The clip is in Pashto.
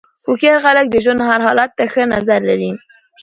هوښیار خلک د ژوند هر حالت ته ښه نظر لري.